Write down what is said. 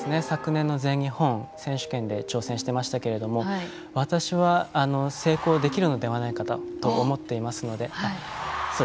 昨年の全日本選手権で挑戦していましたが私は、成功できるのではないかと思っています。